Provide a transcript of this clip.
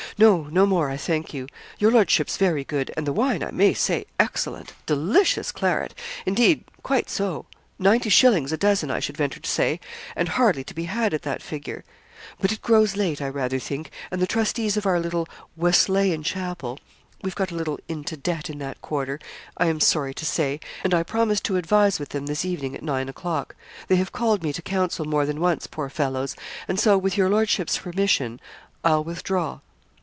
'No no more, I thank you. Your lordship's very good, and the wine, I may say, excellent delicious claret; indeed, quite so ninety shillings a dozen, I should venture to say, and hardly to be had at that figure; but it grows late, I rather think, and the trustees of our little Wesleyan chapel we've got a little into debt in that quarter, I am sorry to say and I promised to advise with them this evening at nine o'clock. They have called me to counsel more than once, poor fellows; and so, with your lordship's permission, I'll withdraw.'